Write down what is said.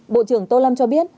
bộ trưởng tô lâm cho biết